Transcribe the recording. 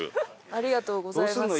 ありがとうございます。